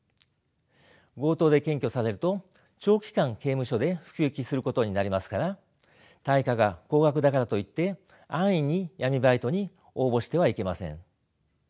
強盗で検挙されると長期間刑務所で服役することになりますから対価が高額だからといって安易に闇バイトに応募してはいけません。